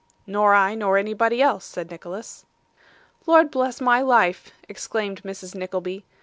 'Nor I, nor anybody else,' said Nicholas. 'Lord bless my life!' exclaimed Mrs. Nickleby.